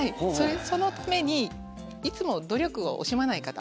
そのためにいつも努力を惜しまない方。